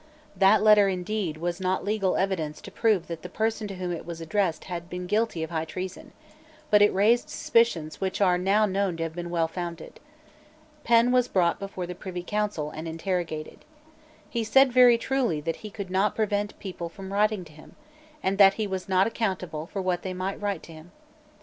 That letter, indeed, was not legal evidence to prove that the person to whom it was addressed had been guilty of high treason; but it raised suspicions which are now known to have been well founded. Penn was brought before the Privy Council, and interrogated. He said very truly that he could not prevent people from writing to him, and that he was not accountable for what they might write to him.